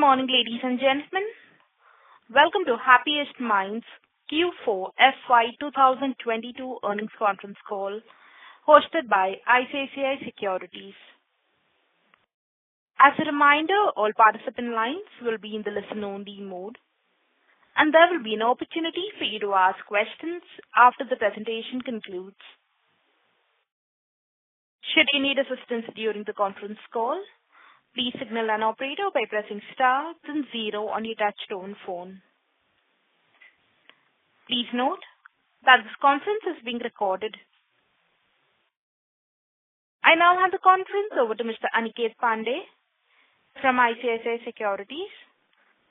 Good morning, ladies and gentlemen. Welcome to Happiest Minds Q4 FY 2022 Earnings Conference Call hosted by ICICI Securities. As a reminder, all participant lines will be in the listen only mode, and there will be an opportunity for you to ask questions after the presentation concludes. Should you need assistance during the conference call, please signal an operator by pressing star then zero on your touchtone phone. Please note that this conference is being recorded. I now hand the conference over to Mr. Aniket Pande from ICICI Securities.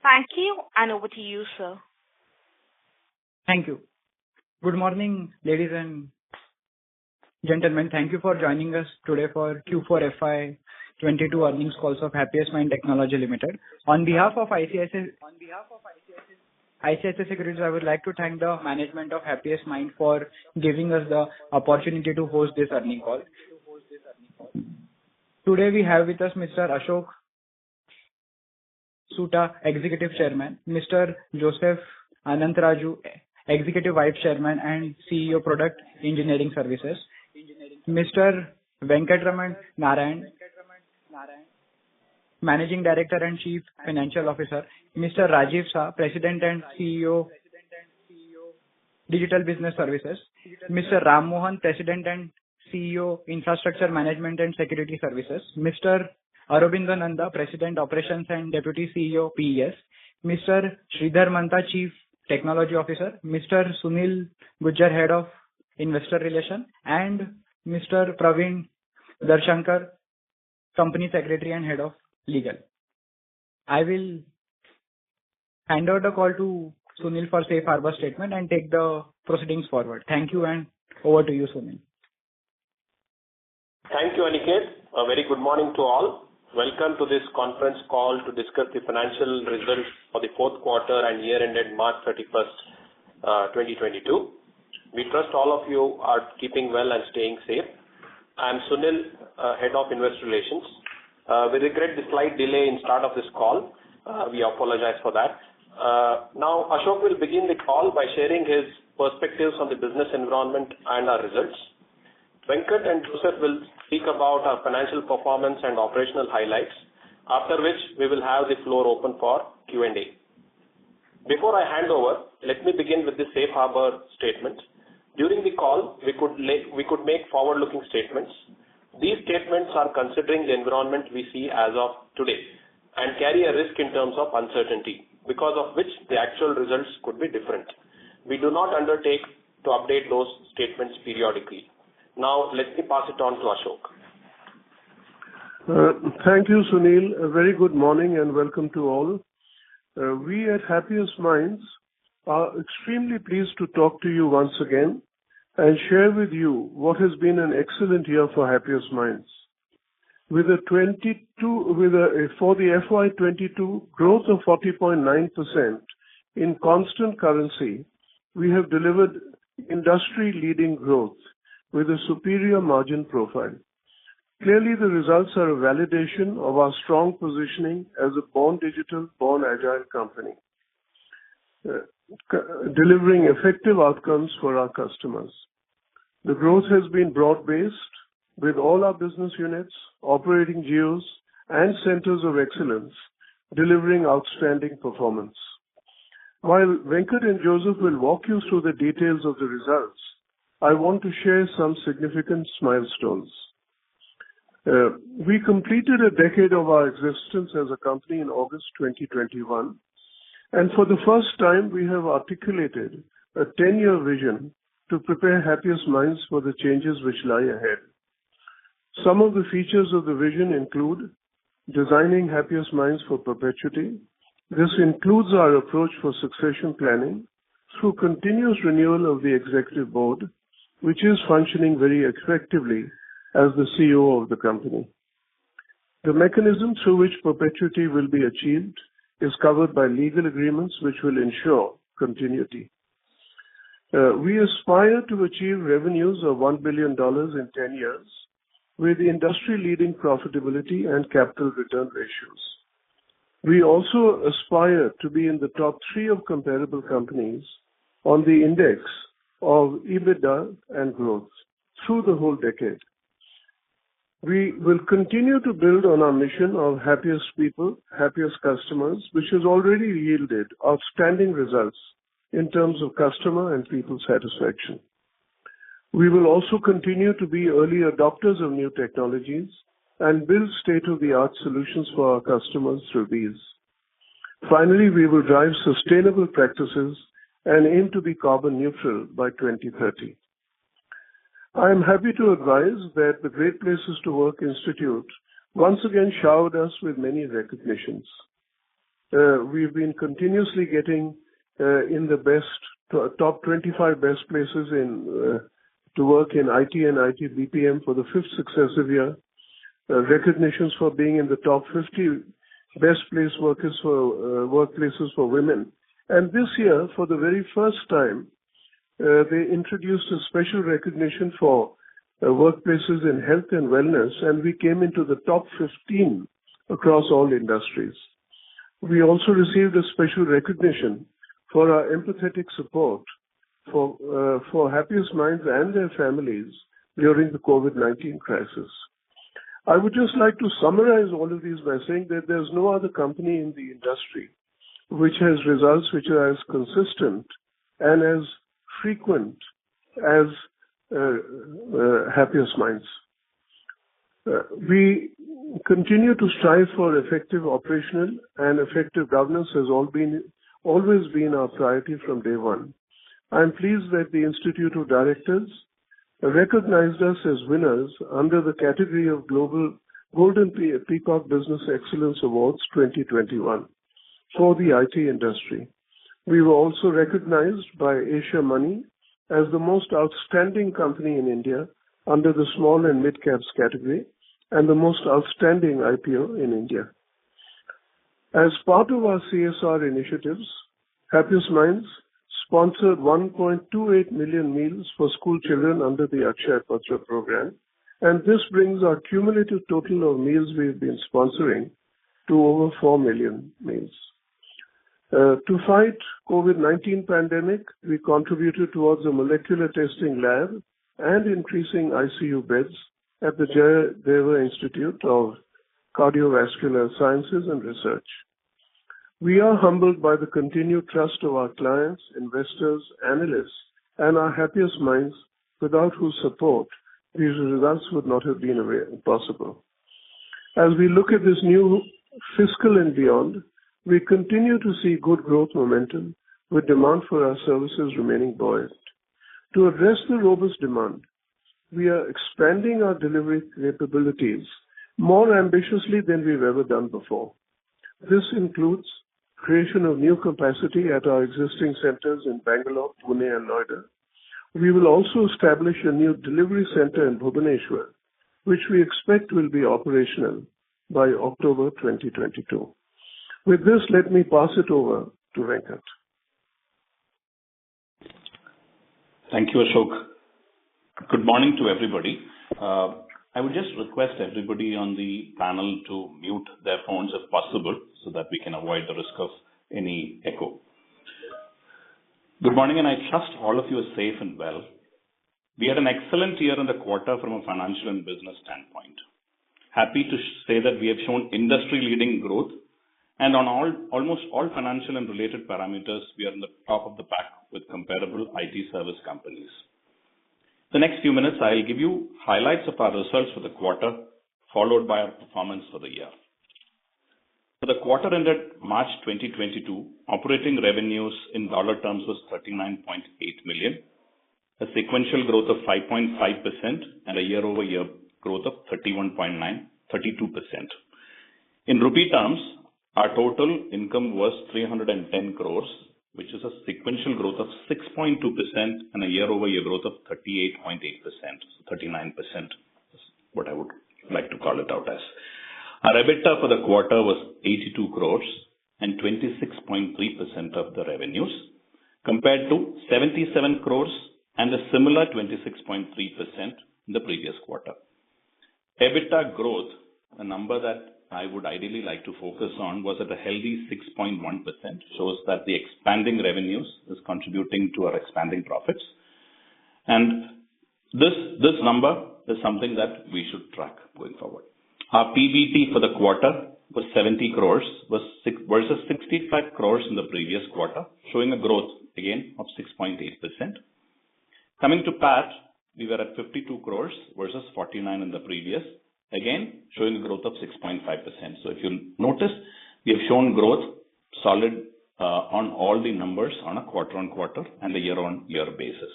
Thank you, and over to you, sir. Thank you. Good morning, ladies and gentlemen. Thank you for joining us today for Q4 FY22 Earnings Call of Happiest Minds Technologies Limited. On behalf of ICICI Securities, I would like to thank the management of Happiest Minds for giving us the opportunity to host this earnings call. Today we have with us Mr. Ashok Soota, Executive Chairman. Mr. Joseph Anantharaju, Executive Vice Chairman and CEO, Product Engineering Services. Mr. Venkatraman Narayanan, Managing Director and Chief Financial Officer. Mr. Rajiv Shah, President and CEO, Digital Business Services. Mr. Ram Mohan, President and CEO, Infrastructure Management and Security Services. Mr. Aurobindo Nanda, President, Operations and Deputy CEO, PES. Mr. Sridhar Mantha, Chief Technology Officer. Mr. Sunil Gujjar, Head of Investor Relations, and Mr. Praveen Darshankar, Company Secretary and Head of Legal. I will hand over the call to Sunil for safe harbor statement and take the proceedings forward. Thank you, and over to you, Sunil. Thank you, Aniket. A very good morning to all. Welcome to this conference call to discuss the financial results for the fourth quarter and year ended March 31, 2022. We trust all of you are keeping well and staying safe. I'm Sunil, Head of Investor Relations. We regret the slight delay in start of this call. We apologize for that. Now Ashok will begin the call by sharing his perspectives on the business environment and our results. Venkat and Joseph will speak about our financial performance and operational highlights. After which we will have the floor open for Q&A. Before I hand over, let me begin with the safe harbor statement. During the call, we could make forward-looking statements. These statements are considering the environment we see as of today and carry a risk in terms of uncertainty, because of which the actual results could be different. We do not undertake to update those statements periodically. Now let me pass it on to Ashok. Thank you, Sunil. A very good morning and welcome to all. We at Happiest Minds are extremely pleased to talk to you once again and share with you what has been an excellent year for Happiest Minds. With for the FY 2022 growth of 40.9% in constant currency, we have delivered industry-leading growth with a superior margin profile. Clearly, the results are a validation of our strong positioning as a born-digital, born-agile company, delivering effective outcomes for our customers. The growth has been broad-based with all our business units, operating geos and centers of excellence delivering outstanding performance. While Venkat and Joseph will walk you through the details of the results, I want to share some significant milestones. We completed a decade of our existence as a company in August 2021, and for the first time, we have articulated a ten-year vision to prepare Happiest Minds for the changes which lie ahead. Some of the features of the vision include designing Happiest Minds for perpetuity. This includes our approach for succession planning through continuous renewal of the executive board, which is functioning very effectively as the CEO of the company. The mechanism through which perpetuity will be achieved is covered by legal agreements which will ensure continuity. We aspire to achieve revenues of $1 billion in ten years with industry-leading profitability and capital return ratios. We also aspire to be in the top three of comparable companies on the index of EBITDA and growth through the whole decade. We will continue to build on our mission of happiest people, happiest customers, which has already yielded outstanding results in terms of customer and people satisfaction. We will also continue to be early adopters of new technologies and build state-of-the-art solutions for our customers through these. Finally, we will drive sustainable practices and aim to be carbon neutral by 2030. I am happy to advise that the Great Place to Work Institute once again showered us with many recognitions. We've been continuously getting in the top 25 best places to work in IT and IT BPM for the fifth successive year. Recognitions for being in the top 50 best workplaces for women. This year, for the very first time, they introduced a special recognition for workplaces in health and wellness, and we came into the top 15 across all industries. We also received a special recognition for our empathetic support for Happiest Minds and their families during the COVID-19 crisis. I would just like to summarize all of these by saying that there's no other company in the industry which has results which are as consistent and as frequent as Happiest Minds. We continue to strive for effective operational and effective governance, has always been our priority from day one. I am pleased that the Institute of Directors recognized us as winners under the category of Global Golden Peacock Business Excellence Awards 2021 for the IT industry. We were also recognized by Asiamoney as the most outstanding company in India under the small and midcaps category, and the most outstanding IPO in India. As part of our CSR initiatives, Happiest Minds sponsored 1.28 million meals for school children under the Akshaya Patra program, and this brings our cumulative total of meals we've been sponsoring to over 4 million meals. To fight COVID-19 pandemic, we contributed towards a molecular testing lab and increasing ICU beds at the Sri Jayadeva Institute of Cardiovascular Sciences and Research. We are humbled by the continued trust of our clients, investors, analysts, and our Happiest Minds, without whose support these results would not have been possible. As we look at this new fiscal and beyond, we continue to see good growth momentum with demand for our services remaining buoyant. To address the robust demand, we are expanding our delivery capabilities more ambitiously than we've ever done before. This includes creation of new capacity at our existing centers in Bangalore, Pune, and Noida. We will also establish a new delivery center in Bhubaneswar, which we expect will be operational by October 2022. With this, let me pass it over to Venkat. Thank you, Ashok. Good morning to everybody. I would just request everybody on the panel to mute their phones if possible, so that we can avoid the risk of any echo. Good morning, and I trust all of you are safe and well. We had an excellent year in the quarter from a financial and business standpoint. Happy to say that we have shown industry-leading growth and on almost all financial and related parameters, we are in the top of the pack with comparable IT service companies. The next few minutes I'll give you highlights of our results for the quarter, followed by our performance for the year. For the quarter ended March 2022, operating revenues in dollar terms was $39.8 million. A sequential growth of 5.5% and a year-over-year growth of 31.9%-32%. In rupee terms, our total income was 310 crores, which is a sequential growth of 6.2% and a year-over-year growth of 38.8%. 39% is what I would like to call it out as. Our EBITDA for the quarter was 82 crores and 26.3% of the revenues, compared to 77 crores and a similar 26.3% in the previous quarter. EBITDA growth, the number that I would ideally like to focus on, was at a healthy 6.1%, shows that the expanding revenues is contributing to our expanding profits. This number is something that we should track going forward. Our PBT for the quarter was 70 crores versus 65 crores in the previous quarter, showing a growth again of 6.8%. Coming to PAT, we were at 52 crores versus 49 crores in the previous, again showing a growth of 6.5%. If you'll notice, we have shown growth solid on all the numbers on a quarter-on-quarter and a year-on-year basis.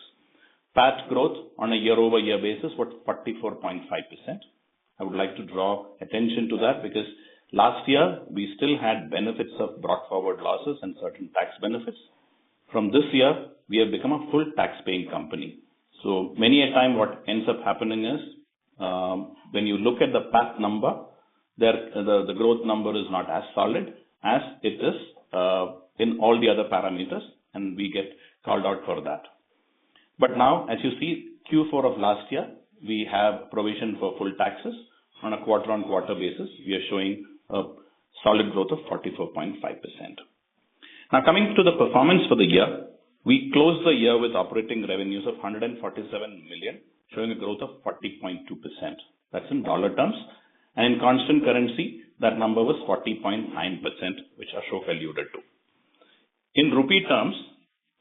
PAT growth on a year-over-year basis was 44.5%. I would like to draw attention to that because last year we still had benefits of brought forward losses and certain tax benefits. From this year, we have become a full tax paying company. Many a time what ends up happening is, when you look at the PAT number, the growth number is not as solid as it is in all the other parameters, and we get called out for that. But now, as you see Q4 of last year, we have provision for full taxes. On a quarter-on-quarter basis, we are showing a solid growth of 44.5%. Now coming to the performance for the year. We closed the year with operating revenues of $147 million, showing a growth of 40.2%. That's in dollar terms. Constant currency, that number was 40.9%, which Ashok alluded to. In rupee terms,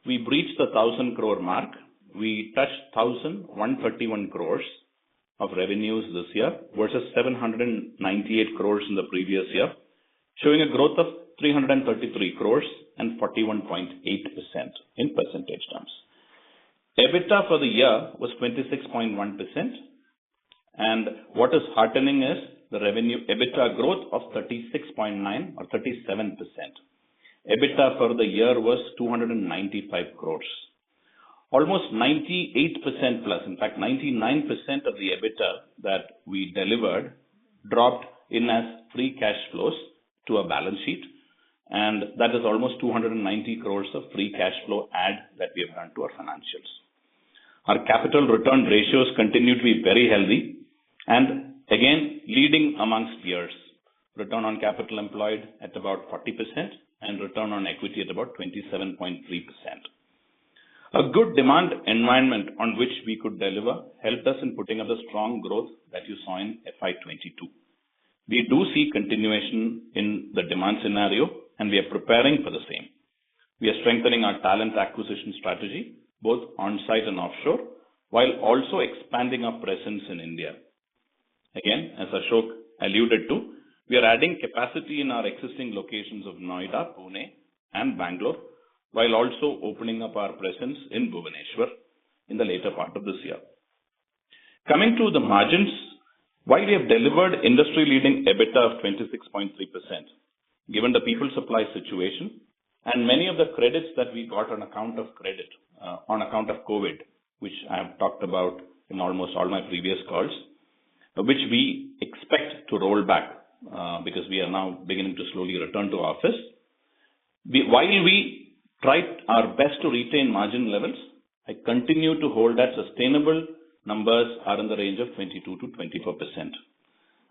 we breached the 1,000 crore mark. We touched 1,031 crores of revenues this year, versus 798 crores in the previous year, showing a growth of 333 crores and 41.8% in percentage terms. EBITDA for the year was 26.1%. What is heartening is the revenue EBITDA growth of 36.9% or 37%. EBITDA for the year was 295 crores. Almost 98%+, in fact, 99% of the EBITDA that we delivered dropped in as free cash flows to our balance sheet. That is almost 290 crores of free cash flow added that we have earned to our financials. Our capital return ratios continue to be very healthy and again leading among peers. Return on capital employed at about 40% and return on equity at about 27.3%. A good demand environment on which we could deliver helped us in putting up a strong growth that you saw in FY 2022. We do see continuation in the demand scenario, and we are preparing for the same. We are strengthening our talent acquisition strategy, both on-site and offshore, while also expanding our presence in India. Again, as Ashok alluded to, we are adding capacity in our existing locations of Noida, Pune and Bangalore, while also opening up our presence in Bhubaneswar in the later part of this year. Coming to the margins, while we have delivered industry-leading EBITDA of 26.3%, given the people supply situation and many of the credits that we got on account of COVID, which I have talked about in almost all my previous calls. Which we expect to roll back, because we are now beginning to slowly return to office. While we tried our best to retain margin levels, I continue to hold that sustainable numbers are in the range of 22%-24%.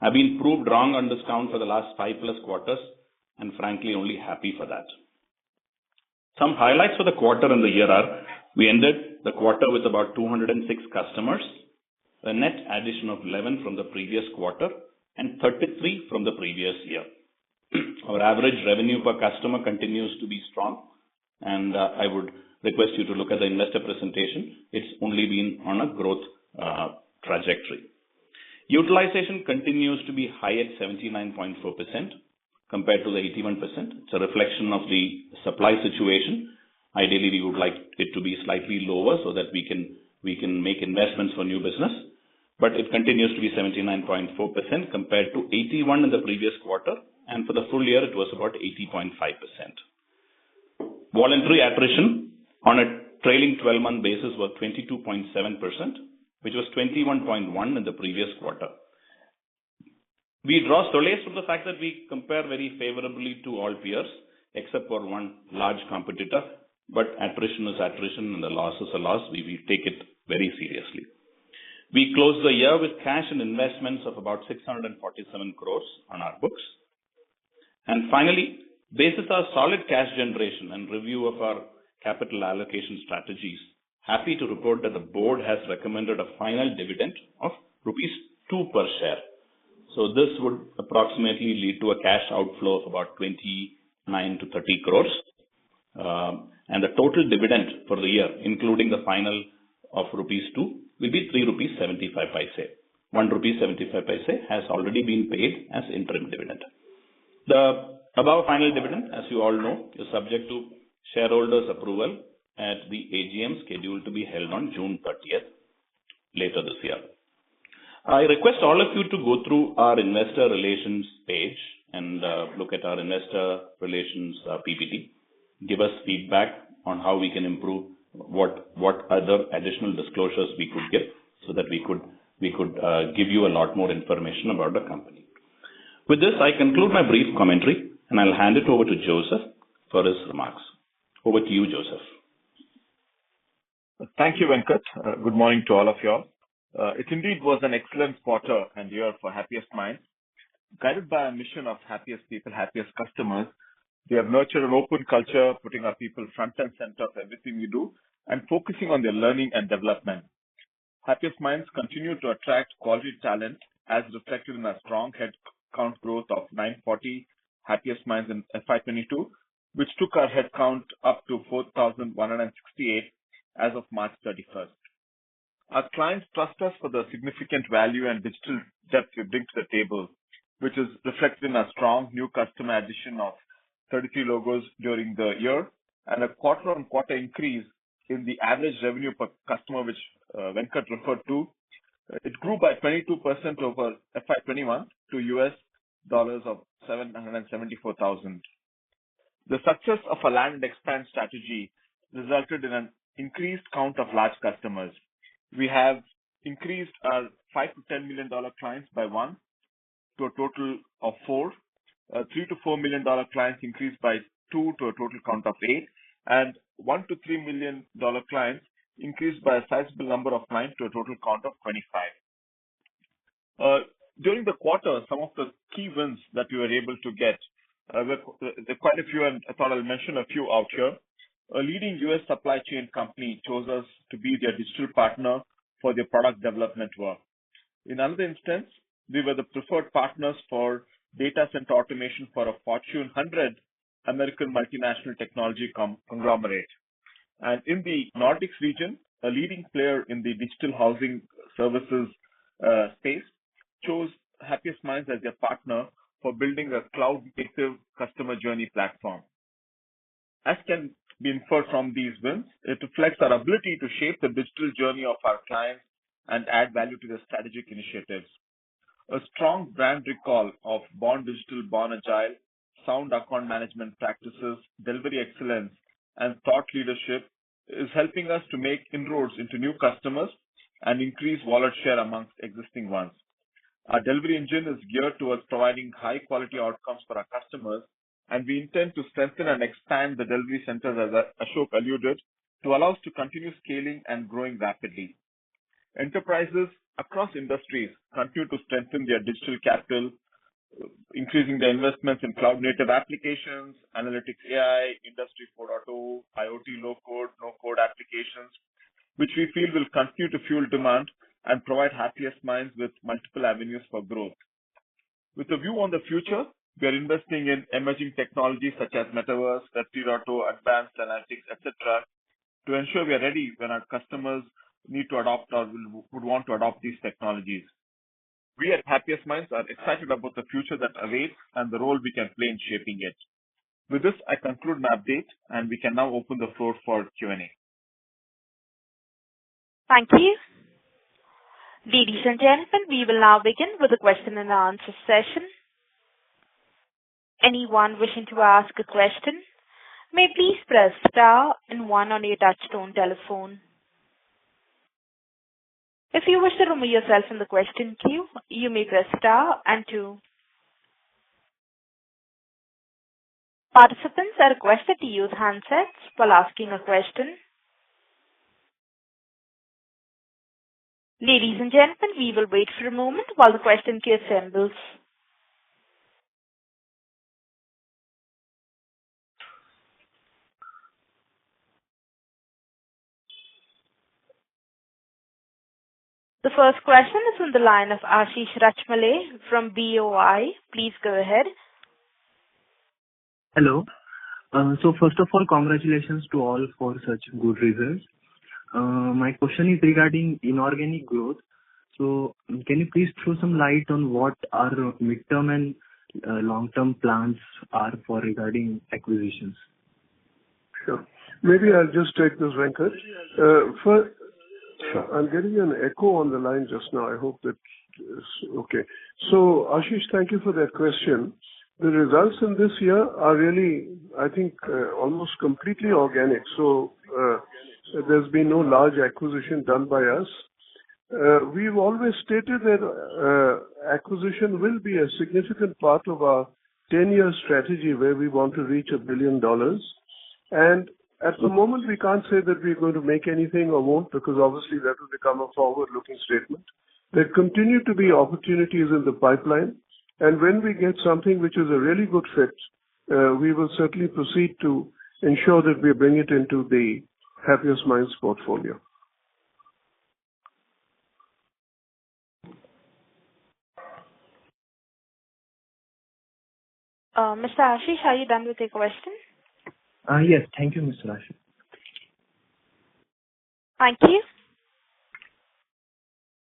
I've been proved wrong on this count for the last 5+ quarters, and frankly only happy for that. Some highlights for the quarter and the year are: we ended the quarter with about 206 customers, a net addition of 11 from the previous quarter and 33 from the previous year. Our average revenue per customer continues to be strong, and I would request you to look at the investor presentation. It's only been on a growth trajectory. Utilization continues to be high at 79.4% compared to the 81%. It's a reflection of the supply situation. Ideally, we would like it to be slightly lower so that we can make investments for new business. But it continues to be 79.4% compared to 81% in the previous quarter, and for the full year it was about 80.5%. Voluntary attrition on a trailing twelve-month basis was 22.7%, which was 21.1% in the previous quarter. We draw solace from the fact that we compare very favorably to all peers, except for one large competitor, but attrition is attrition and the loss is a loss. We take it very seriously. We closed the year with cash and investments of about 647 crore on our books. Finally, basis our solid cash generation and review of our capital allocation strategies, happy to report that the board has recommended a final dividend of rupees 2 per share. This would approximately lead to a cash outflow of about 29-30 crore. The total dividend for the year, including the final of rupees 2, will be 3.75 rupees. 1.75 rupees has already been paid as interim dividend. The above final dividend, as you all know, is subject to shareholders' approval at the AGM scheduled to be held on June thirtieth, later this year. I request all of you to go through our investor relations page and look at our investor relations PPT. Give us feedback on how we can improve what other additional disclosures we could give so that we could give you a lot more information about the company. With this, I conclude my brief commentary, and I'll hand it over to Joseph for his remarks. Over to you, Joseph. Thank you, Venkat. Good morning to all of you all. It indeed was an excellent quarter and year for Happiest Minds. Guided by our mission of happiest people, happiest customers, we have nurtured an open culture, putting our people front and center of everything we do and focusing on their learning and development. Happiest Minds continue to attract quality talent, as reflected in our strong headcount growth of 940 Happiest Minds in FY 2022, which took our headcount up to 4,168 as of March 31. Our clients trust us for the significant value and digital depth we bring to the table, which is reflected in our strong new customer addition of 33 logos during the year and a quarter-on-quarter increase in the average revenue per customer, which Venkat referred to. It grew by 22% over FY 2021 to $774,000. The success of our land and expand strategy resulted in an increased count of large customers. We have increased $5-$10 million clients by one to a total of four. $3-$4 million clients increased by two to a total count of eight. One to $3 million clients increased by a sizable number of clients to a total count of 25. During the quarter, some of the key wins that we were able to get, there are quite a few, and I thought I'll mention a few out here. A leading U.S. supply chain company chose us to be their digital partner for their product development work. In another instance, we were the preferred partners for data center automation for a Fortune 100 American multinational technology conglomerate. In the Nordics region, a leading player in the digital housing services space chose Happiest Minds as their partner for building a cloud-native customer journey platform. As can be inferred from these wins, it reflects our ability to shape the digital journey of our clients and add value to their strategic initiatives. A strong brand recall of Born Digital, Born Agile, sound account management practices, delivery excellence, and thought leadership is helping us to make inroads into new customers and increase wallet share among existing ones. Our delivery engine is geared towards providing high quality outcomes for our customers, and we intend to strengthen and expand the delivery centers, as Ashok alluded, to allow us to continue scaling and growing rapidly. Enterprises across industries continue to strengthen their digital capital, increasing their investments in cloud-native applications, analytics AI, Industry 4.0, IoT low code, no code applications. Which we feel will continue to fuel demand and provide Happiest Minds with multiple avenues for growth. With a view on the future, we are investing in emerging technologies such as Metaverse, Web 3.0, advanced analytics, et cetera, to ensure we are ready when our customers need to adopt or would want to adopt these technologies. We at Happiest Minds are excited about the future that awaits and the role we can play in shaping it. With this, I conclude my update, and we can now open the floor for Q&A. Thank you. Ladies and gentlemen, we will now begin with the question and answer session. Anyone wishing to ask a question may please press star and one on your touchtone telephone. If you wish to remove yourself from the question queue, you may press star and two. Participants are requested to use handsets while asking a question. Ladies and gentlemen, we will wait for a moment while the question queue assembles. The first question is on the line of Ashish Rachmale from BOI. Please go ahead. Hello. First of all, congratulations to all for such good results. My question is regarding inorganic growth. Can you please throw some light on what our midterm and long-term plans are for regarding acquisitions? Sure. Maybe I'll just take this, Venkat. Sure. I'm getting an echo on the line just now. I hope that is okay. Ashish, thank you for that question. The results in this year are really, I think, almost completely organic. There's been no large acquisition done by us. We've always stated that, acquisition will be a significant part of our 10-year strategy where we want to reach $1 billion. At the moment, we can't say that we're going to make anything or won't, because obviously that will become a forward-looking statement. There continue to be opportunities in the pipeline, and when we get something which is a really good fit, we will certainly proceed to ensure that we bring it into the Happiest Minds portfolio. Mr. Ashish, are you done with your question? Yes. Thank you, Mr. Ashish. Thank you.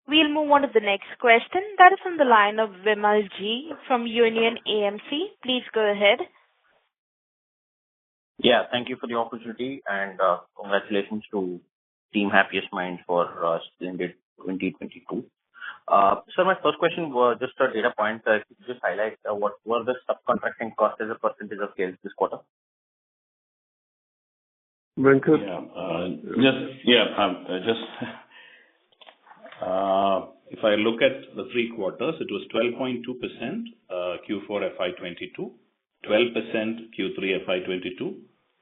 We'll move on to the question. That is on the line of Vimal G. from Union AMC. Please go ahead. Yeah. Thank you for the opportunity, and, congratulations to team Happiest Minds for a splendid 2022. My first question was just a data point. Could you just highlight what were the subcontracting cost as a percentage of sales this quarter? Venkat. If I look at the three quarters, it was 12.2% Q4 FY 2022, 12% Q3 FY 2022,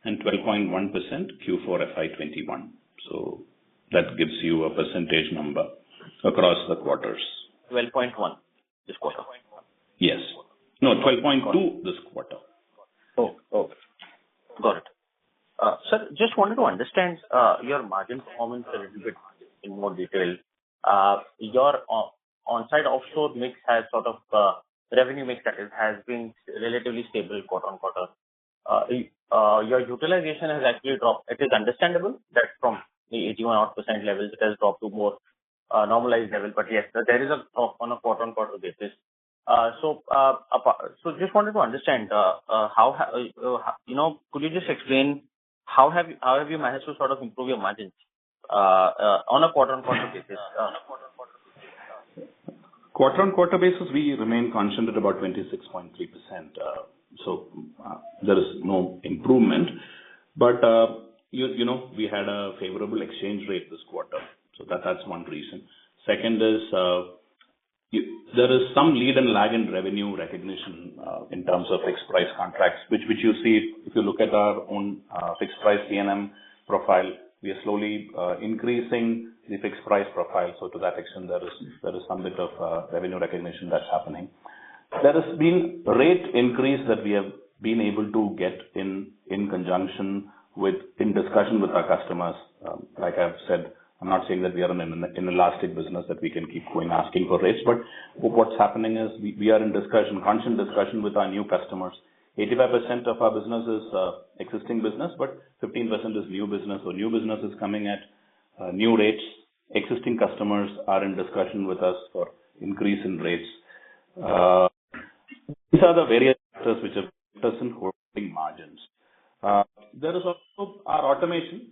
and 12.1% Q4 FY 2021. That gives you a percentage number across the quarters. 12.1% this quarter? Yes. No, 12.2% this quarter. Got it. Sir, just wanted to understand your margin performance a little bit in more detail. Your on-site offshore mix has sort of revenue mix that has been relatively stable quarter-on-quarter. Your utilization has actually dropped. It is understandable that from the 81% levels, it has dropped to more normalized level, but yes, there is a drop on a quarter-on-quarter basis. So just wanted to understand, you know, could you just explain how have you managed to sort of improve your margins on a quarter-on-quarter basis. Quarter-over-quarter basis, we remain constant at about 26.3%. There is no improvement. You know, we had a favorable exchange rate this quarter, so that's one reason. Second is, there is some lead and lag in revenue recognition in terms of fixed price contracts. Which you see if you look at our own fixed price T&M profile, we are slowly increasing the fixed price profile. So to that extent, there is some bit of revenue recognition that's happening. There has been rate increase that we have been able to get in conjunction with, in discussion with our customers. Like I've said, I'm not saying that we are an inelastic business that we can keep going asking for rates. What's happening is we are in discussion, constant discussion with our new customers. 85% of our business is existing business, but 15% is new business. New business is coming at new rates. Existing customers are in discussion with us for increase in rates. These are the various factors which have helped us in holding margins. There is also our automation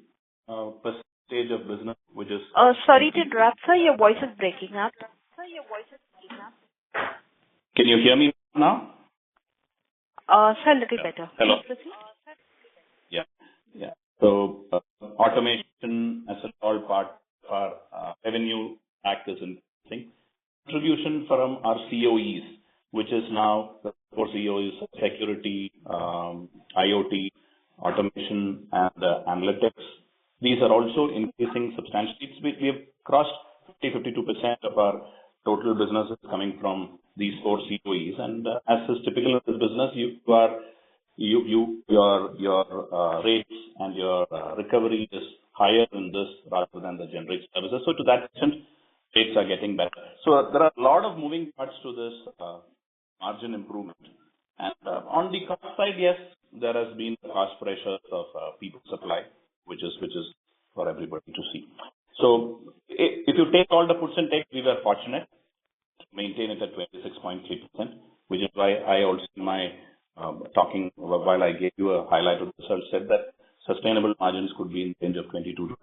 percentage of business which is Sorry to interrupt, sir. Your voice is breaking up. Sir, your voice is breaking up. Can you hear me now? Sir, little better. Hello. Can you hear me? Automation as a whole part for our revenue factors and things. Distribution from our CoEs, which is now the four CoEs security, IoT, automation and analytics. These are also increasing substantially. We have crossed 52% of our total businesses coming from these four CoEs. As is typical of the business, your rates and your recovery is higher in this rather than the general services. To that extent, rates are getting better. There are a lot of moving parts to this margin improvement. On the cost side, yes, there has been cost pressures of people supply, which is for everybody to see. If you take all the puts and takes, we were fortunate to maintain it at 26.3%, which is why I also in my talking while I gave you a highlight of the results said that sustainable margins could be in the range of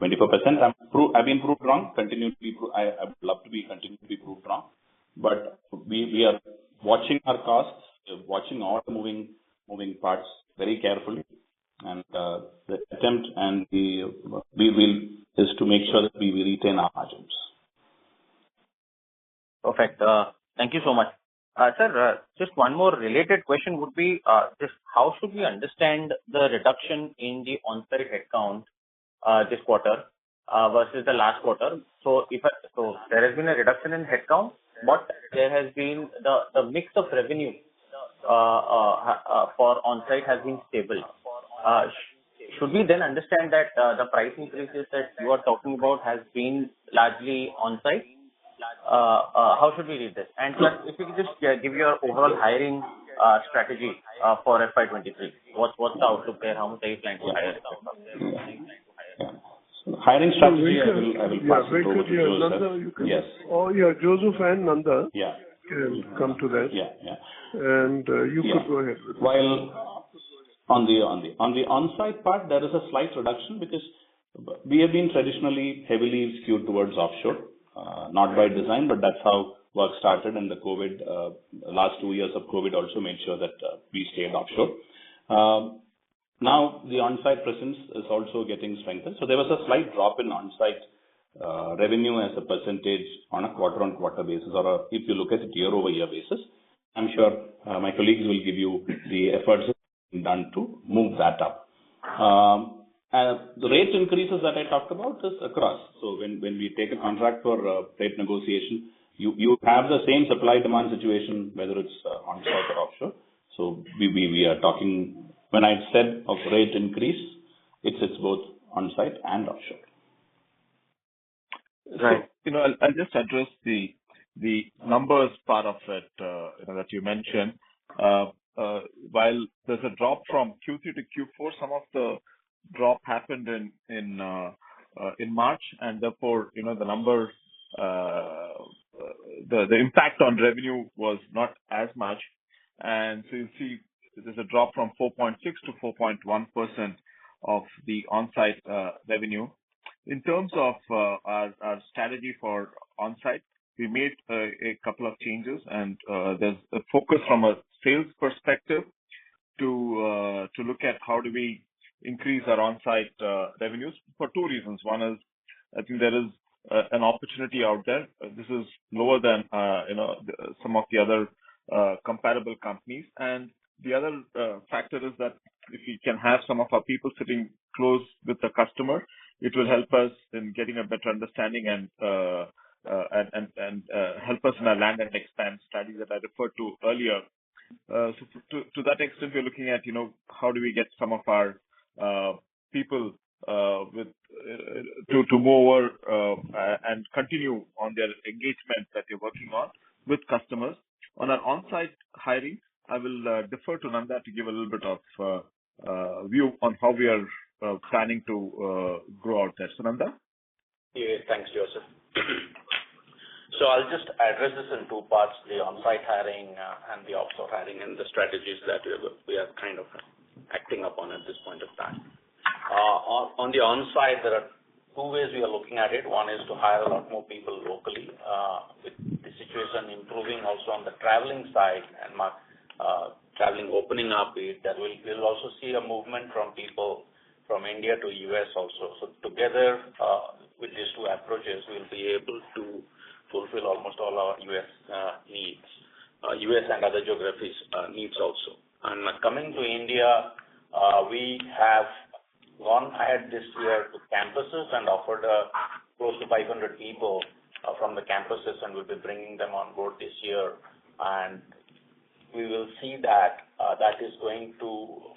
22%-24%. I've been proved wrong. I would love to be continually proved wrong. We are watching our costs. We are watching all the moving parts very carefully. The attempt is to make sure that we will retain our margins. Perfect. Thank you so much. Sir, just one more related question would be, just how should we understand the reduction in the onsite headcount, this quarter, versus the last quarter? So there has been a reduction in headcount, but the mix of revenue for onsite has been stable. Should we then understand that the price increases that you are talking about has been largely onsite? How should we read this? Plus, if you could just give your overall hiring strategy for FY 2023. What's the outlook there? How much are you planning to hire going up there? Yeah. Hiring strategy, I will pass it over to Joseph. Yeah. Very clear. Venka, you can. Yes. Yeah, Joseph and Venka. Yeah. Can come to that. Yeah, yeah. You can go ahead. While on the onsite part there is a slight reduction because we have been traditionally heavily skewed towards offshore. Not by design, but that's how work started, and the COVID last two years of COVID also made sure that we stayed offshore. Now the onsite presence is also getting strengthened. There was a slight drop in onsite revenue as a percentage on a quarter-on-quarter basis or, if you look at it year-over-year basis. I'm sure my colleagues will give you the efforts being done to move that up. The rate increases that I talked about is across. When we take a contract for a rate negotiation, you have the same supply demand situation, whether it's onsite or offshore. We are talking. When I said of rate increase, it's both onsite and offshore. Right. You know, I'll just address the numbers part of it, you know, that you mentioned. While there's a drop from Q3 to Q4, some of the drop happened in March, and therefore, you know, the numbers, the impact on revenue was not as much. You'll see there's a drop from 4.6%-4.1% of the onsite revenue. In terms of our strategy for onsite, we made a couple of changes, and there's a focus from a sales perspective to look at how do we increase our onsite revenues for two reasons. One is, I think there is an opportunity out there. This is lower than, you know, some of the other comparable companies. The other factor is that if we can have some of our people sitting close with the customer, it will help us in getting a better understanding and help us in our land and expand strategy that I referred to earlier. To that extent, we're looking at, you know, how do we get some of our people to move over and continue on their engagement that they're working on with customers. On our onsite hiring, I will defer to Nanda to give a little bit of view on how we are planning to grow our team. Nanda. Yeah. Thanks, Joseph. I'll just address this in two parts, the onsite hiring and the offshore hiring and the strategies that we are kind of acting upon at this point of time. On the onsite, there are two ways we are looking at it. One is to hire a lot more people locally. With the situation improving also on the traveling side and more traveling opening up, we will also see a movement from people from India to US also. Together with these two approaches, we'll be able to fulfill almost all our US needs, US and other geographies needs also. Coming to India, we have gone to campuses this year and offered close to 500 people from the campuses, and we'll be bringing them on board this year. We will see that is going to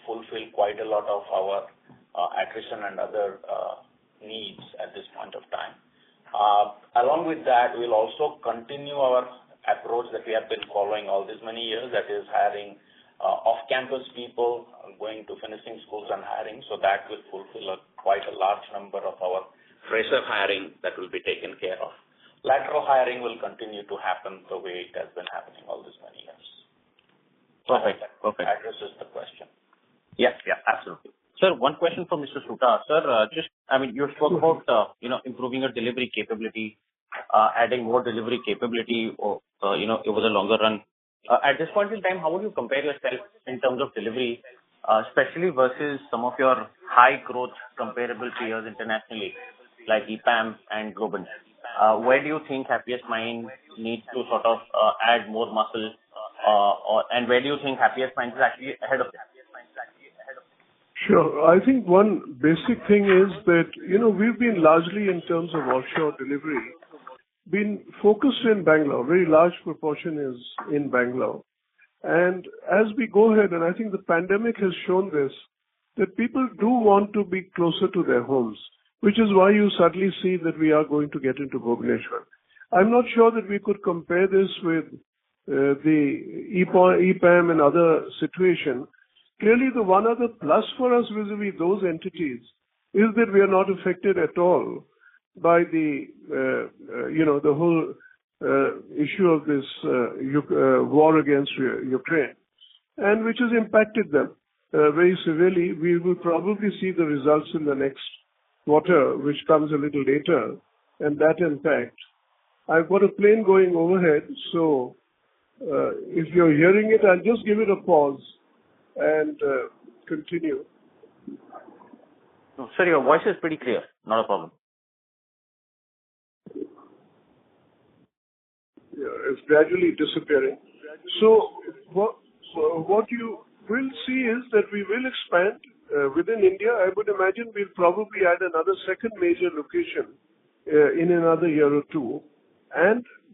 fulfill quite a lot of our attrition and other needs at this point of time. Along with that, we'll also continue our approach that we have been following all these many years. That is hiring off-campus people, going to finishing schools and hiring. That will fulfill a quite large number of our fresher hiring that will be taken care of. Lateral hiring will continue to happen the way it has been happening all these many years. Perfect. Okay. That addresses the question. Yes. Yeah, absolutely. Sir, one question from Ashok Soota. Sir, just I mean, you spoke about, you know, improving your delivery capability, adding more delivery capability you know, over the longer run. At this point in time, how would you compare yourself in terms of delivery, especially versus some of your high growth comparable peers internationally, like EPAM and Globant? Where do you think Happiest Minds needs to sort of add more muscle? Or where do you think Happiest Minds is actually ahead of them? Sure. I think one basic thing is that, you know, we've been largely in terms of offshore delivery, been focused in Bangalore. A very large proportion is in Bangalore. As we go ahead, and I think the pandemic has shown this, that people do want to be closer to their homes, which is why you suddenly see that we are going to get into Bhubaneswar. I'm not sure that we could compare this with the EPAM and other situation. Clearly, the one other plus for us vis-a-vis those entities is that we are not affected at all by the, you know, the whole issue of this war against Ukraine, and which has impacted them very severely. We will probably see the results in the next quarter, which comes a little later. That impact. I've got a plane going overhead, so if you're hearing it, I'll just give it a pause and continue. No, sir, your voice is pretty clear. Not a problem. Yeah, it's gradually disappearing. What you will see is that we will expand within India. I would imagine we'll probably add another second major location in another year or two.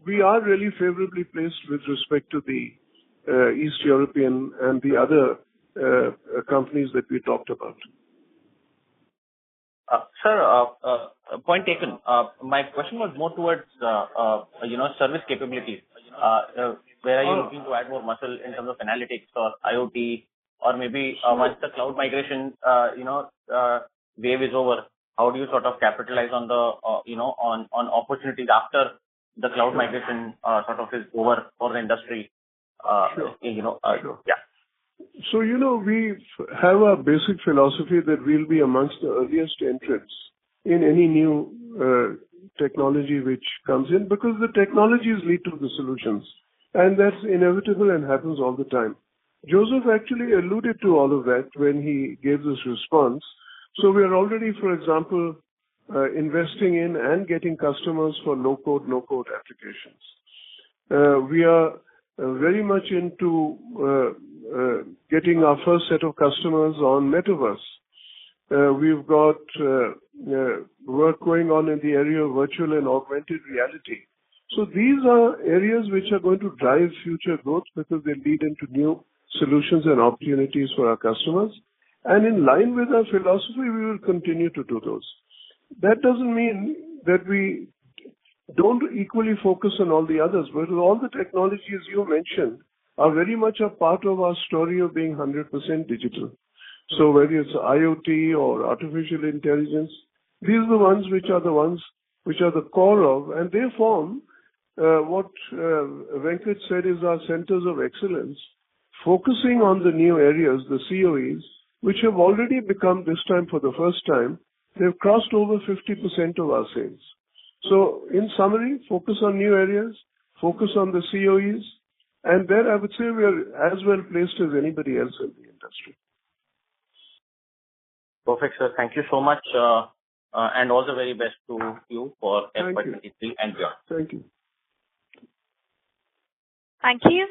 We are really favorably placed with respect to the East European and the other companies that we talked about. Sir, point taken. My question was more towards, you know, service capabilities. Oh. Where are you looking to add more muscle in terms of analytics or IoT or maybe? Sure. Once the cloud migration, you know, wave is over, how do you sort of capitalize on the, you know, on opportunities after the cloud migration, sort of is over for the industry? Sure. You know, yeah. You know, we have a basic philosophy that we'll be among the earliest entrants in any new technology which comes in, because the technologies lead to the solutions, and that's inevitable and happens all the time. Joseph actually alluded to all of that when he gave his response. We are already, for example, investing in and getting customers for low-code, no-code applications. We are very much into getting our first set of customers on Metaverse. We've got work going on in the area of virtual and augmented reality. These are areas which are going to drive future growth because they lead into new solutions and opportunities for our customers. In line with our philosophy, we will continue to do those. That doesn't mean that we don't equally focus on all the others. All the technologies you mentioned are very much a part of our story of being 100% digital. Whether it's IoT or artificial intelligence, these are the ones which are the core of, and they form what Venkat said is our centers of excellence, focusing on the new areas, the CoEs, which have already become this time for the first time, they've crossed over 50% of our sales. In summary, focus on new areas, focus on the CoEs, and there I would say we are as well placed as anybody else in the industry. Perfect, sir. Thank you so much. All the very best to you. Thank you. FY 2023 and beyond. Thank you. Thank you.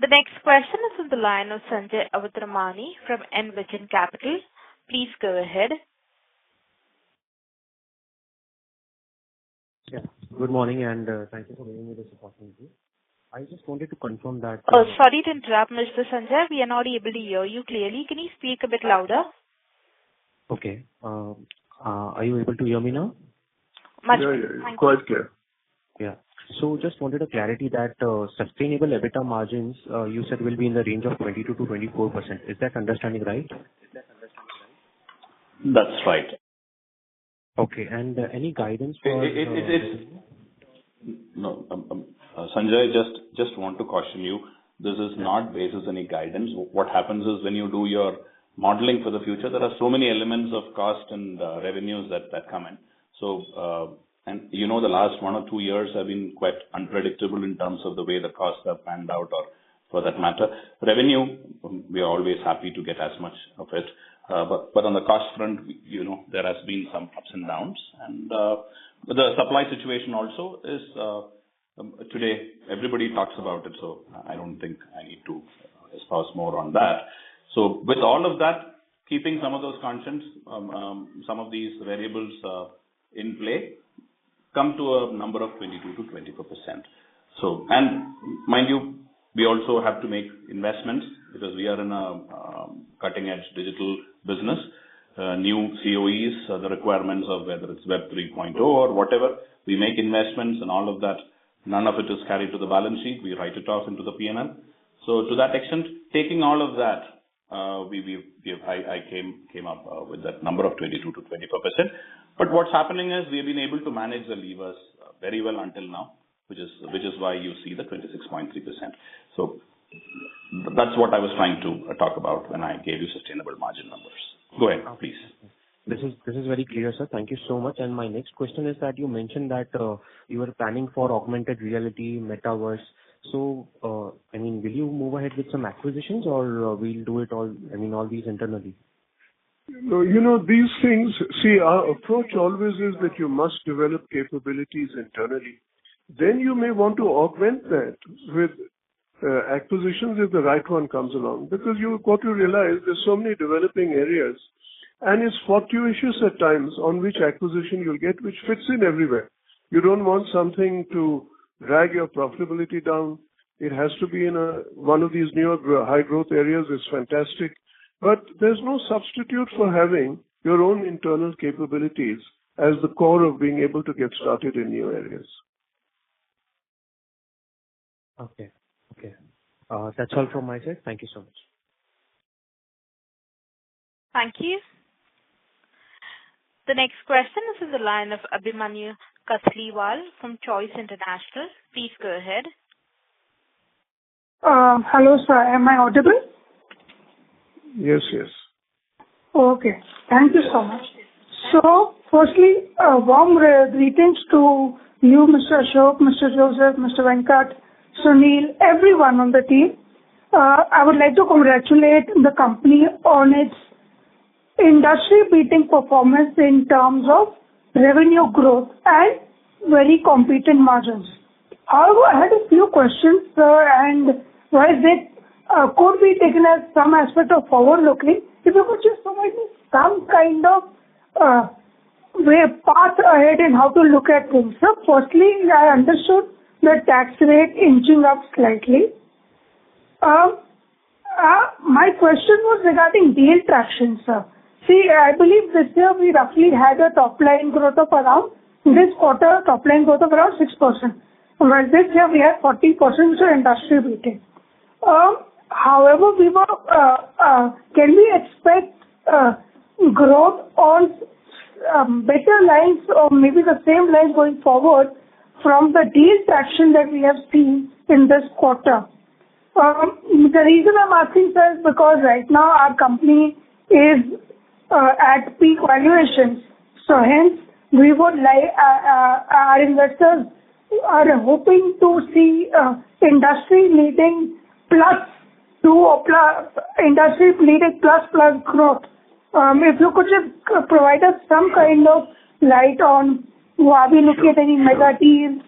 The next question is from the line of Sanjay Awatramani from Envision Capital. Please go ahead. Yeah. Good morning, and thank you for giving me this opportunity. I just wanted to confirm that. Sorry to interrupt, Mr. Sanjay. We are not able to hear you clearly. Can you speak a bit louder? Okay. Are you able to hear me now? Much better. Yeah, yeah. It's quite clear. Yeah. Just wanted a clarity that, sustainable EBITDA margins, you said will be in the range of 22%-24%. Is that understanding right? That's right. Okay. Any guidance for, Sanjay, I just want to caution you. This is not based on any guidance. What happens is when you do your modeling for the future, there are so many elements of cost and revenues that come in. You know, the last one or two years have been quite unpredictable in terms of the way the costs have panned out or for that matter revenue. We are always happy to get as much of it. But on the cost front, you know, there has been some ups and downs. The supply situation also is today everybody talks about it, so I don't think I need to elaborate more on that. With all of that, keeping some of those constants, some of these variables in play, come to a number of 22%-24%. And mind you, we also have to make investments because we are in a cutting-edge digital business. New CoEs, the requirements of whether it's Web 3.0 or whatever, we make investments and all of that, none of it is carried to the balance sheet. We write it off into the P&L. To that extent, taking all of that, I came up with that number of 22%-24%. But what's happening is we've been able to manage the levers very well until now, which is why you see the 26.3%. That's what I was trying to talk about when I gave you sustainable margin numbers. Go ahead, please. This is very clear, sir. Thank you so much. My next question is that you mentioned that you are planning for augmented reality Metaverse. I mean, will you move ahead with some acquisitions or we'll do it all, I mean, all these internally? You know, these things. See, our approach always is that you must develop capabilities internally. Then you may want to augment that with acquisitions if the right one comes along. Because you've got to realize there's so many developing areas, and it's fortuitous at times on which acquisition you'll get, which fits in everywhere. You don't want something to drag your profitability down. It has to be in one of these new or high-growth areas. It's fantastic. There's no substitute for having your own internal capabilities as the core of being able to get started in new areas. Okay. That's all from my side. Thank you so much. Thank you. The next question is in the line of Abhimanyu Kasliwal from Choice International. Please go ahead. Hello, sir. Am I audible? Yes, yes. Okay. Thank you so much. Firstly, a warm greetings to you, Mr. Ashok Soota, Mr. Joseph Anantharaju, Mr. Venkatraman Narayanan, Sunil Gujjar, everyone on the team. I would like to congratulate the company on its industry-beating performance in terms of revenue growth and very competitive margins. I had a few questions, sir, and whereas it could be taken as some aspect of forward-looking. If you could just provide me some kind of way forward, path ahead in how to look at things. Firstly, I understood your tax rate inching up slightly. My question was regarding deal traction, sir. See, I believe this year we roughly had a top line growth of around 6% this quarter. Whereas this year we had 40% industry-beating. However, we were. Can we expect growth on better lines or maybe the same lines going forward from the deal traction that we have seen in this quarter? The reason I'm asking, sir, is because right now our company is at peak valuations. Hence we would like our investors are hoping to see industry leading plus two or industry leading plus plus growth. If you could just provide us some kind of light on are we looking at any mega deals?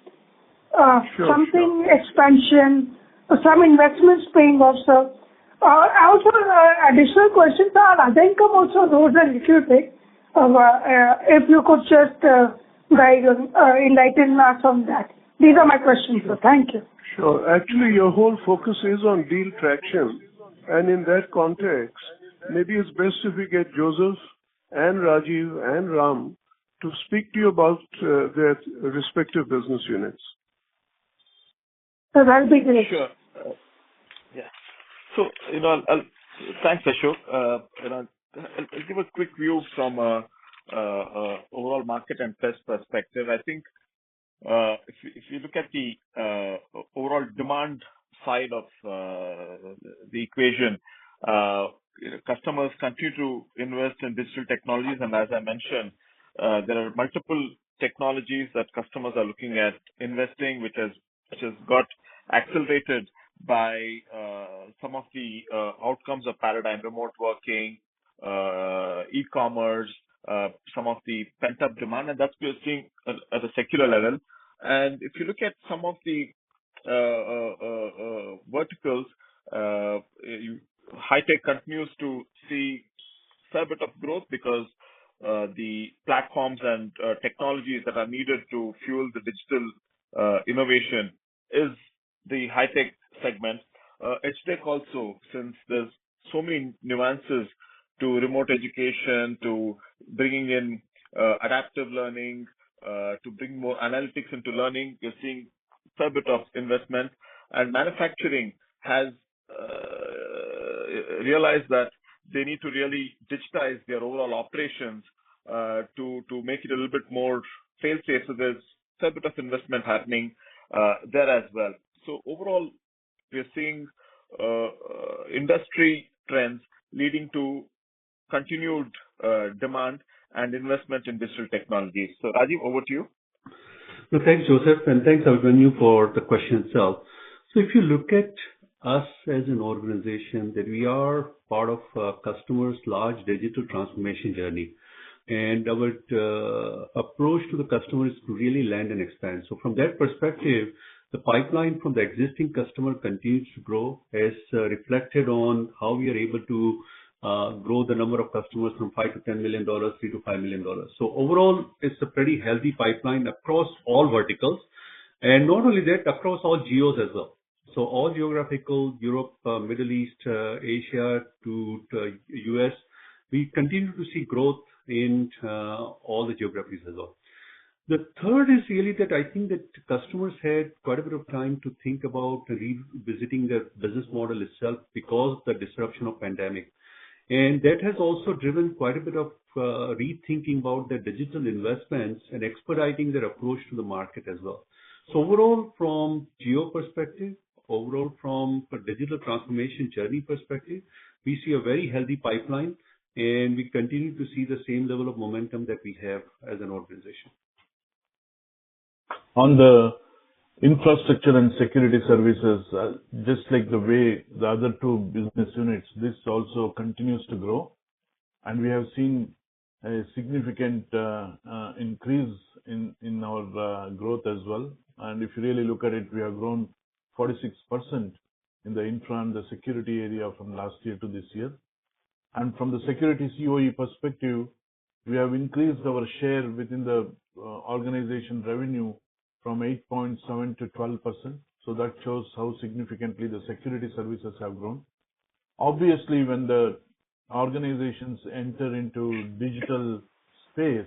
Sure. Sure. Some expansion, some investments paying off, sir. I also have additional questions, sir. Our other income also rose a little bit. If you could just guide us, enlighten us on that. These are my questions, sir. Thank you. Sure. Actually, your whole focus is on deal traction. In that context, maybe it's best if we get Joseph and Rajiv and Ram to speak to you about their respective business units. Sir, that'll be great. Sure. Thanks, Ashok. You know, I'll give a quick view from overall market and PES perspective. I think, if you look at the overall demand side of the equation, customers continue to invest in digital technologies. As I mentioned, there are multiple technologies that customers are looking at investing, which has got accelerated by some of the outcomes of pandemic remote working, e-commerce, some of the pent-up demand, and that we are seeing at a secular level. If you look at some of the verticals, high tech continues to see fair bit of growth because the platforms and technologies that are needed to fuel the digital innovation is the high tech segment. EdTech also, since there's so many nuances to remote education, to bringing in, adaptive learning, to bring more analytics into learning, we're seeing fair bit of investment. Manufacturing has realized that they need to really digitize their overall operations, to make it a little bit more fail-safe. There's fair bit of investment happening, there as well. Overall, we are seeing industry trends leading to continued demand and investment in digital technologies. Rajiv, over to you. Thanks, Joseph, and thanks, Abhimanyu, for the question itself. If you look at us as an organization, that we are part of a customer's large digital transformation journey, and our approach to the customer is to really land and expand. From their perspective, the pipeline from the existing customer continues to grow as reflected on how we are able to grow the number of customers from $5 million to $10 million, $3 million to $5 million. Overall, it's a pretty healthy pipeline across all verticals, and not only that, across all geos as well. All geographies, Europe, Middle East, Asia to the U.S., we continue to see growth in all the geographies as well. The third is really that I think that customers had quite a bit of time to think about revisiting their business model itself because the disruption of pandemic. That has also driven quite a bit of rethinking about their digital investments and expediting their approach to the market as well. Overall, from geo perspective, overall from a digital transformation journey perspective, we see a very healthy pipeline, and we continue to see the same level of momentum that we have as an organization. On the infrastructure and security services, just like the way the other two business units, this also continues to grow, and we have seen a significant increase in our growth as well. If you really look at it, we have grown 46% in the infra and the security area from last year to this year. From the security CoE perspective, we have increased our share within the organizational revenue from 8.7%-12%, so that shows how significantly the security services have grown. Obviously, when the organizations enter into digital space,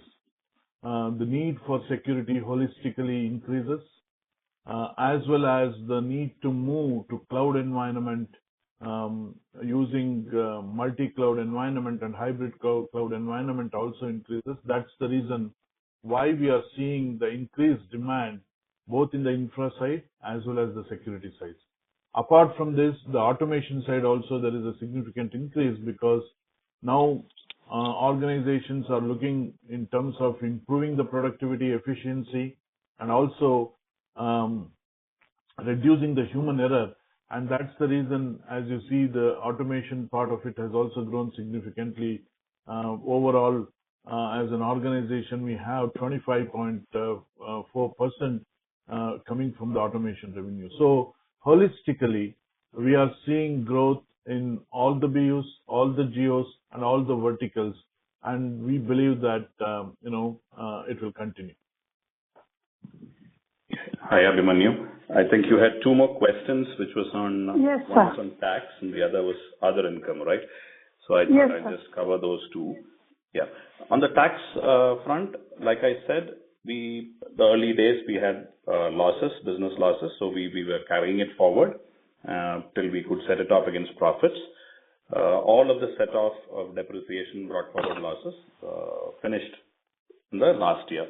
the need for security holistically increases, as well as the need to move to cloud environment, using multi-cloud environment and hybrid cloud environment also increases. That's the reason why we are seeing the increased demand both in the infra side as well as the security sides. Apart from this, the automation side also there is a significant increase because now, organizations are looking in terms of improving the productivity, efficiency and also, reducing the human error, and that's the reason, as you see, the automation part of it has also grown significantly. Overall, as an organization, we have 25.4% coming from the automation revenue. Holistically, we are seeing growth in all the BUs, all the geos and all the verticals, and we believe that, you know, it will continue. Hi, Abhimanyu. I think you had two more questions. Yes, sir. One was on tax and the other was other income, right? Yes, sir. I thought I'd just cover those two. Yeah. On the tax front, like I said, the early days we had losses, business losses, so we were carrying it forward till we could set it off against profits. All of the set off of depreciation brought forward losses finished in the last year.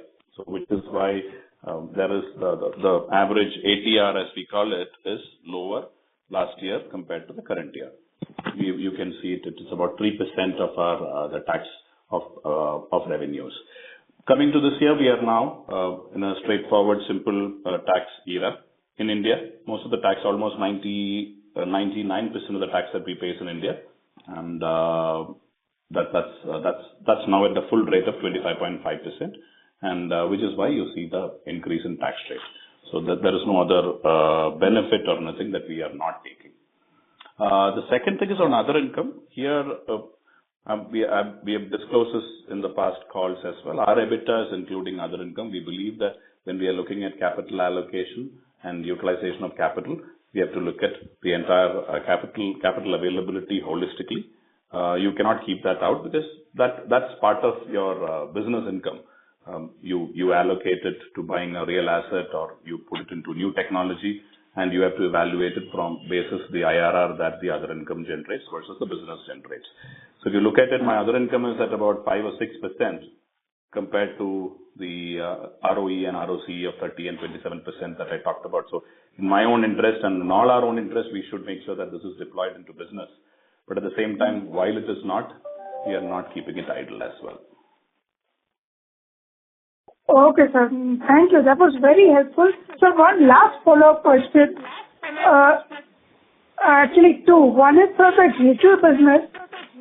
Which is why the average ETR, as we call it, is lower last year compared to the current year. You can see it. It is about 3% of our revenues. Coming to this year, we are now in a straightforward, simple tax era in India. Most of the tax, almost 99% of the tax that we pay is in India, and that's now at the full rate of 25.5% and which is why you see the increase in tax rate. There is no other benefit or nothing that we are not taking. The second thing is on other income. Here, we have disclosed this in the past calls as well. Our EBITDA is including other income. We believe that when we are looking at capital allocation and utilization of capital, we have to look at the entire capital availability holistically. You cannot keep that out because that's part of your business income. You allocate it to buying a real asset, or you put it into new technology, and you have to evaluate it from the basis of the IRR that the other income generates versus the business generates. If you look at it, my other income is at about 5% or 6% compared to the ROE and ROCE of 30% and 27% that I talked about. In my own interest and in all our own interest, we should make sure that this is deployed into business. At the same time, while it is not, we are not keeping it idle as well. Okay, sir. Thank you. That was very helpful. One last follow-up question. Actually two. One is, sir, the digital business.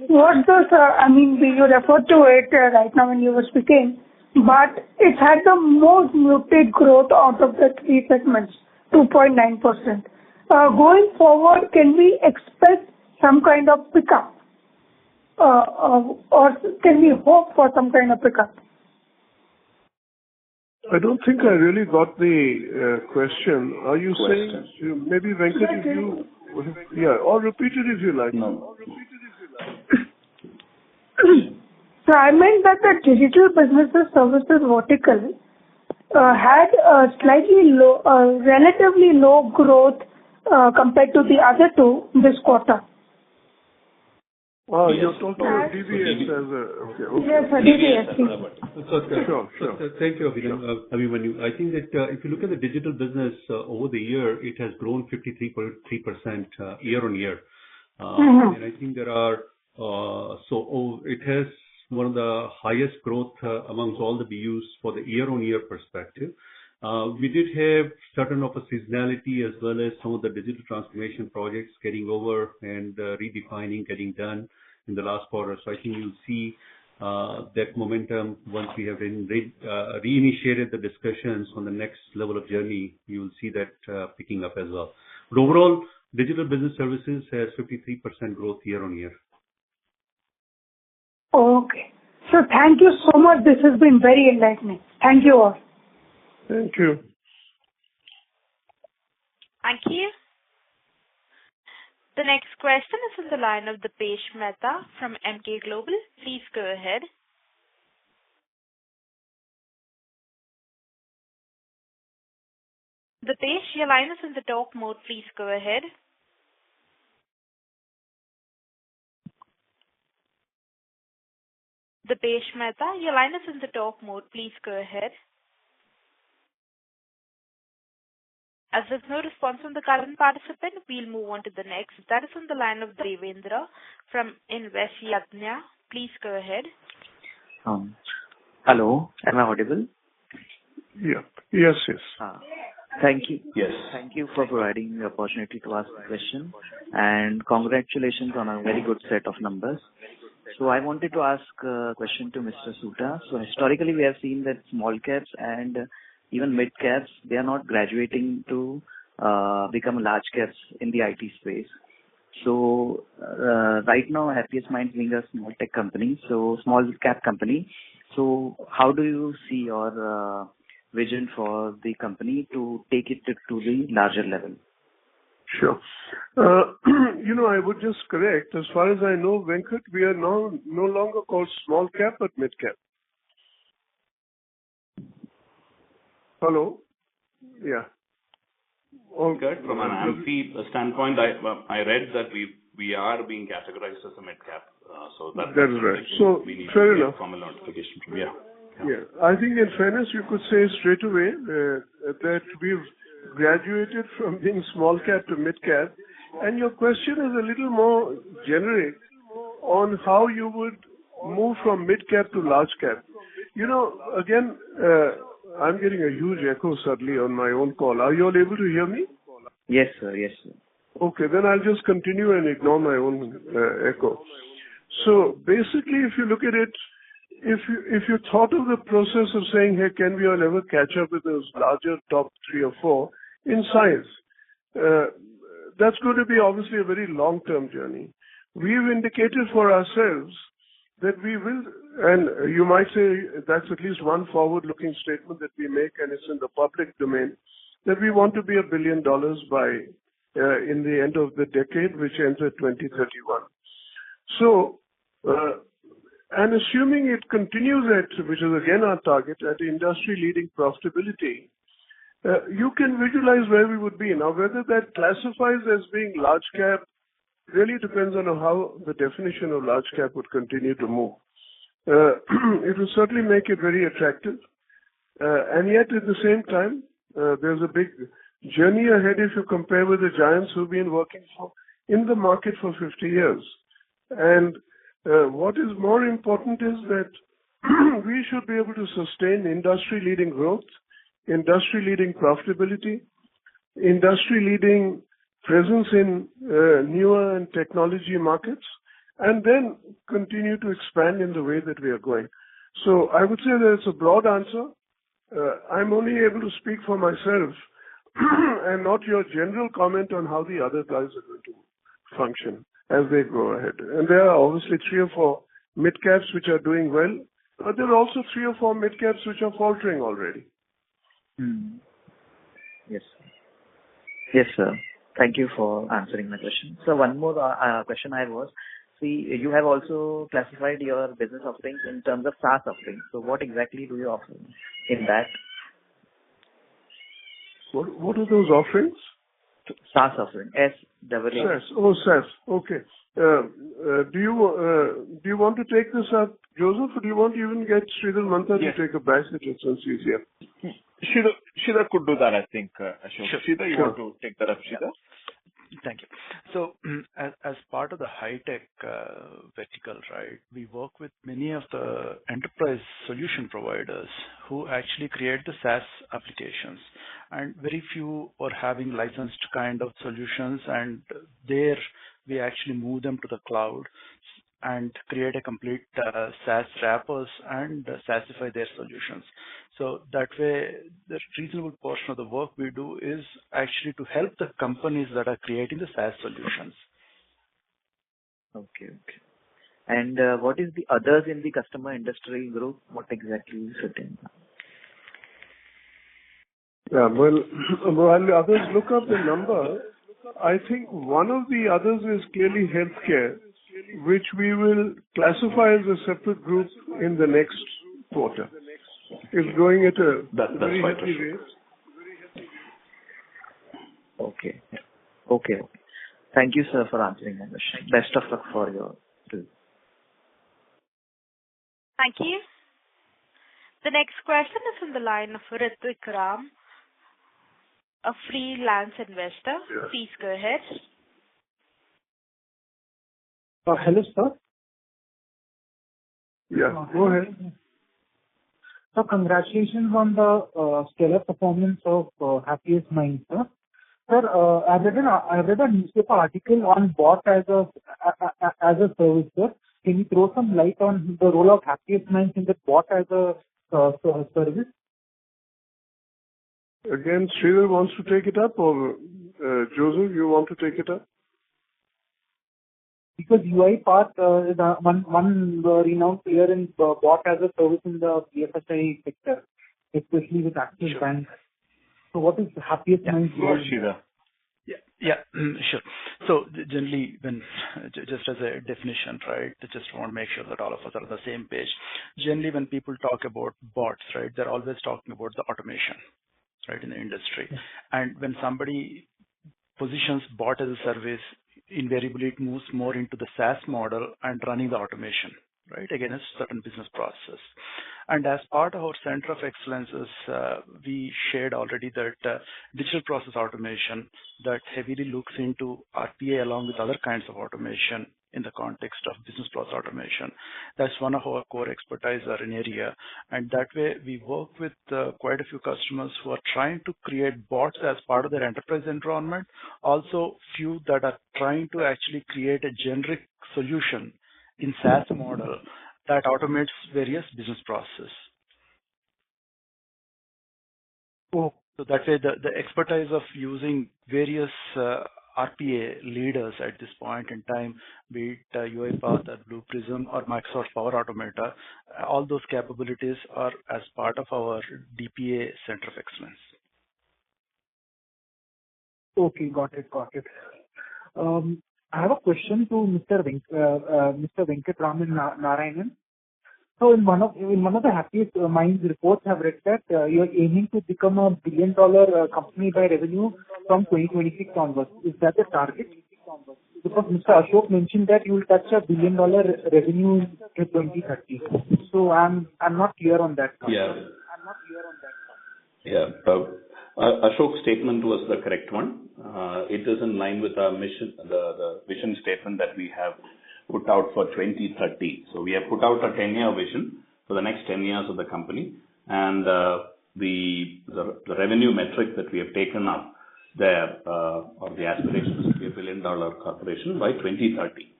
What does, I mean, you referred to it right now when you were speaking, but it had the most muted growth out of the three segments, 2.9%. Going forward, can we expect some kind of pickup? Or can we hope for some kind of pickup? I don't think I really got the question. Are you saying? Question. Maybe, Venkat, if you Sure, I can. Yeah, or repeat it if you like. Mm-hmm. Sir, I meant that the Digital Business Services vertical had a slightly low, relatively low growth compared to the other two this quarter. Oh, you're talking about DBS. Okay. Okay. Yes, sir. DBS. Thank you. Sure. Sure. Thank you, Abhimanyu. I think that, if you look at the digital business over the year, it has grown 53.3% year-on-year. Mm-hmm. I think there are. It has one of the highest growth among all the BUs for the year-on-year perspective. We did have a certain seasonality as well as some of the digital transformation projects carrying over and redefining getting done in the last quarter. I think you'll see that momentum once we have reinitiated the discussions on the next level of journey, you will see that picking up as well. Overall, Digital Business Services has 53% growth year-on-year. Okay. Sir, thank you so much. This has been very enlightening. Thank you all. Thank you. Thank you. The next question is from the line of Dipesh Mehta from Emkay Global. Please go ahead. Dipesh, your line is in the talk mode. Please go ahead. Dipesh Mehta, your line is in the talk mode. Please go ahead. As there's no response from the current participant, we'll move on to the next. That is on the line of Devendra from Invest Yadnya. Please go ahead. Hello, am I audible? Yeah. Yes, yes. Thank you. Yes. Thank you for providing the opportunity to ask the question, and congratulations on a very good set of numbers. I wanted to ask a question to Mr. Soota. Historically we have seen that small caps and even mid caps, they are not graduating to become large caps in the IT space. Right now, Happiest Minds being a small tech company, so small cap company. How do you see your vision for the company to take it to the larger level? Sure. You know, I would just correct, as far as I know, Venkat, we are no longer called small-cap, but mid-cap. Hello? Yeah. From an AMFI standpoint, I read that we are being categorized as a mid-cap, so that- That's right. Fair enough. We need to get formal notification from. Yeah. Yeah. I think in fairness, you could say straightaway, that we've graduated from being small cap to mid cap, and your question is a little more generic on how you would move from mid cap to large cap. You know, again, I'm getting a huge echo suddenly on my own call. Are you all able to hear me? Yes, sir. Yes, sir. Okay. I'll just continue and ignore my own echo. Basically, if you look at it, if you thought of the process of saying, "Hey, can we ever catch up with those larger top three or four in size?" That's going to be obviously a very long-term journey. We've indicated for ourselves that we will. You might say that's at least one forward-looking statement that we make, and it's in the public domain, that we want to be $1 billion by in the end of the decade, which ends at 2031. Assuming it continues at, which is again our target, at industry-leading profitability, you can visualize where we would be. Now, whether that classifies as being large cap really depends on how the definition of large cap would continue to move. It will certainly make it very attractive. Yet, at the same time, there's a big journey ahead if you compare with the giants who've been working in the market for 50 years. What is more important is that we should be able to sustain industry-leading growth, industry-leading profitability, industry-leading presence in newer and technology markets, and then continue to expand in the way that we are going. I would say that it's a broad answer. I'm only able to speak for myself and not your general comment on how the other guys are going to function as they go ahead. There are obviously three or four mid caps which are doing well, but there are also three or four mid caps which are faltering already. Yes. Yes, sir. Thank you for answering my question. One more question I have was, see, you have also classified your business offerings in terms of SaaS offerings. What exactly do you offer in that? What are those offerings? SaaS offerings. SaaS. Oh, SaaS. Okay. Do you want to take this up, Joseph, or do you want to even get Sridhar Mantha to take a bash at it since he's here? Sridhar could do that, I think, Ashok. Sure. Sure. Sridhar, you want to take that up, Sridhar? Yeah. Thank you. As part of the high-tech vertical, right, we work with many of the enterprise solution providers who actually create the SaaS applications. Very few are having licensed kind of solutions. There we actually move them to the cloud and create a complete SaaS wrappers and SaaSify their solutions. That way, the reasonable portion of the work we do is actually to help the companies that are creating the SaaS solutions. Okay. What is the others in the customer industrial group? What exactly is it in? Yeah, well, while the others look up the number, I think one of the others is clearly healthcare, which we will classify as a separate group in the next quarter. It's growing at a very healthy rate. That, that's my prediction. Okay. Thank you, sir, for answering my question. Best of luck to you too. Thank you. The next question is on the line of Ritwik Ram, a freelance investor. Yes. Please go ahead. Hello, sir. Yeah, go ahead. Sir, congratulations on the stellar performance of Happiest Minds, sir. Sir, I read a newspaper article on bot as a service, sir. Can you throw some light on the role of Happiest Minds in the bot as a service? Again, Sridhar wants to take it up or, Joseph, you want to take it up? UiPath, the one renowned player in bot as a service in the BFSI sector, especially with Axis Bank. What is the Happiest Minds role in that? Yeah. Yeah. Sure. Just as a definition, right? I just wanna make sure that all of us are on the same page. Generally, when people talk about bots, right? They're always talking about the automation, right? In the industry. When somebody positions bot as a service, invariably it moves more into the SaaS model and running the automation, right? Again, a certain business process. As part of our centers of excellence, we shared already that digital process automation that heavily looks into RPA along with other kinds of automation in the context of business process automation. That's one of our core expertise or an area. That way we work with quite a few customers who are trying to create bots as part of their enterprise environment. Also, few that are trying to actually create a generic solution in SaaS model that automates various business processes. Oh. That way the expertise of using various RPA leaders at this point in time, be it UiPath or Blue Prism or Microsoft Power Automate, all those capabilities are as part of our DPA Center of Excellence. Got it. I have a question to Mr. Venkatraman Narayanan. In one of the Happiest Minds reports I've read that you're aiming to become a billion-dollar company by revenue from 2026 onwards. Is that the target? Because Mr. Ashok mentioned that you'll touch a billion-dollar revenue in 2030. I'm not clear on that front. Yeah. I'm not clear on that front. Yeah. Ashok's statement was the correct one. It is in line with our mission, the vision statement that we have put out for 2030. We have put out a 10-year vision for the next 10 years of the company and the revenue metric that we have taken up there of the aspiration is to be a billion-dollar corporation by 2030.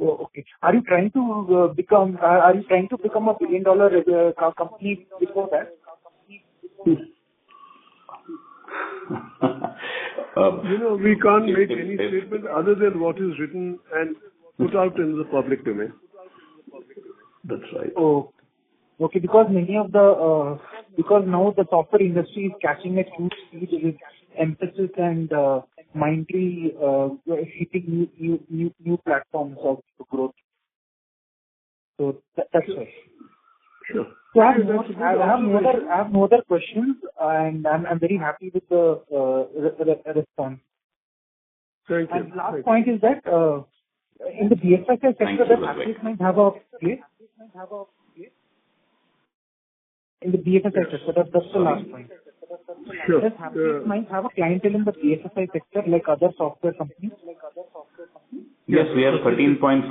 Oh, okay. Are you trying to become a billion-dollar company before that? You know, we can't make any statement other than what is written and put out in the public domain. That's right. Oh, okay. Because now the software industry is catching up at huge speed with its emphasis and, Mindtree, hitting new platforms of growth. That's why. Sure. I have no other questions. I'm very happy with the response. Thank you. Last point is that in the BFSI sector. Thank you. Does Happiest Minds have a place? In the BFSI sector. That's just the last point. Sure. Sure. Does Happiest Minds have a clientele in the BFSI sector like other software companies? Yes, we have 13.4%.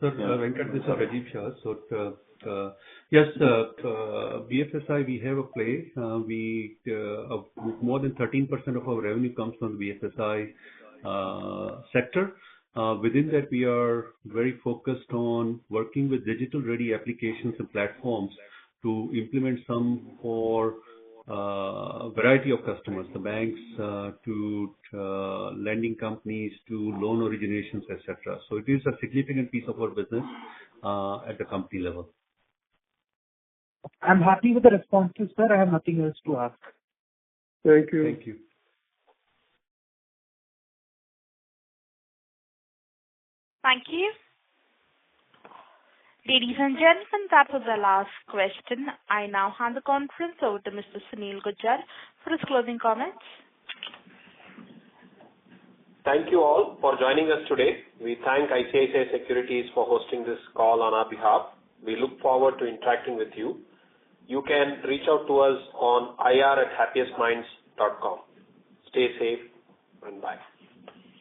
Sir Venkat, this is Rajiv Shah. Yes, BFSI, we have a place. More than 13% of our revenue comes from BFSI sector. Within that, we are very focused on working with digital-ready applications and platforms to implement some for a variety of customers, the banks, to lending companies, to loan originations, et cetera. It is a significant piece of our business at the company level. I'm happy with the responses, sir. I have nothing else to ask. Thank you. Thank you. Thank you. Ladies and gentlemen, that was our last question. I now hand the conference over to Mr. Sunil Gujjar for his closing comments. Thank you all for joining us today. We thank ICICI Securities for hosting this call on our behalf. We look forward to interacting with you. You can reach out to us on IR@happiestminds.com. Stay safe and bye.